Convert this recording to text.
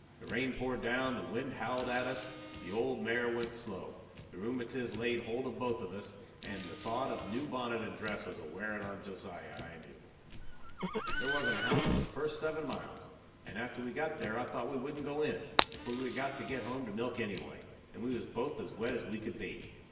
The rain poured down; the wind howled at us; the old mare went slow; the rheumatiz laid holt of both of us; and the thought of the new bonnet and dress was a wearin' on Josiah, I knew. There wasn't a house for the first seven miles, and after we got there I thought we wouldn't go in, for we had got to get home to milk anyway, and we was both as wet as we could be.